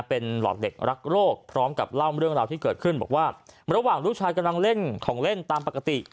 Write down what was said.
เป็นหลอดเหล็กรักโรคพร้อมกับเล่าเรื่องราวที่เกิดขึ้นบอกว่าระหว่างลูกชายกำลังเล่นของเล่นตามปกติ